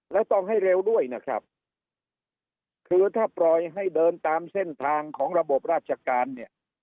แล้วต้องให้เร็วด้วยนะครับคือถ้าปล่อยให้เดินตามเส้นทางของระบบราชการเนี่ย